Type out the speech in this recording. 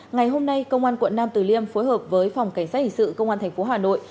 ngày hôm nay công an quận nam từ liêm phối hợp với phòng cảnh sát hình sự công an tp hà nội